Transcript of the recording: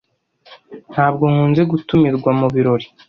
Ntabwo nkunze gutumirwa mubirori.